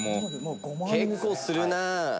結構するな！